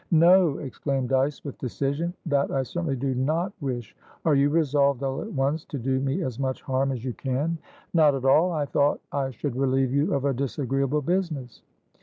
"No!" exclaimed Dyce, with decision. "That I certainly do not wish. Are you resolved, all at once, to do me as much harm as you can?" "Not at all, I thought I should relieve you of a disagreeable business."